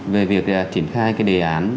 về việc triển khai đề án